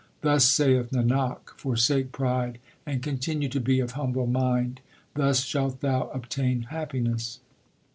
Thus saith Nanak, forsake pride and continue to be of humble mind ; thus shalt thou obtain happiness.